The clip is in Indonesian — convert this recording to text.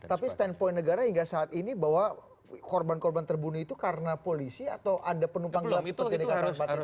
tapi standpoint negara hingga saat ini bahwa korban korban terbunuh itu karena polisi atau ada penumpang gelap seperti dikatakan pak trump